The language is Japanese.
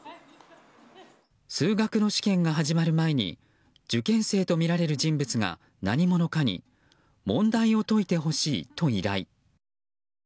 数学の試験が始まる前に受験生とみられる人物が何者かに問題を解いてほしいと依頼。